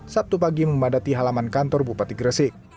sabtu pagi memadati halaman kantor bupati gresik